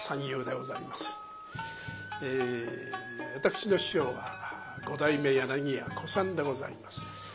え私の師匠は五代目柳家小さんでございます。